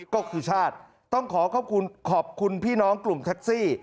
ก็คือชาติต้องขอขอบคุณขอบคุณพี่น้องกลุ่มแท็กซี่